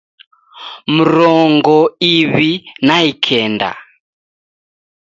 Mrongo iw'i na ikenda